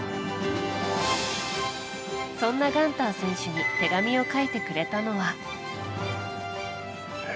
そんなガンター選手に手紙を書いてくれたのは。